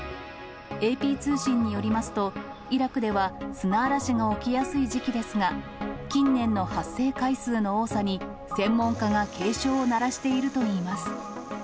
ＡＰ通信によりますと、イラクでは砂嵐が起きやすい時期ですが、近年の発生回数の多さに、専門家が警鐘を鳴らしているといいます。